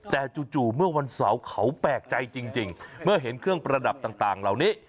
แต่จู่เมื่อวันเสาร์เขาแปลกใจจริงเมื่อเห็นเครื่องประดับต่างเหล่านี้